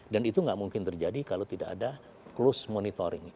dan itu tidak mungkin terjadi kalau tidak ada close monitoring